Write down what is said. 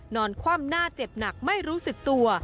คว่ำหน้าเจ็บหนักไม่รู้สึกตัว